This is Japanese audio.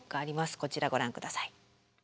こちらご覧下さい。